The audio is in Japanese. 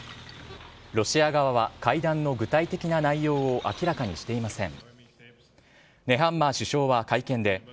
ロシア側は会談の具体的な内容を明らかにしていません。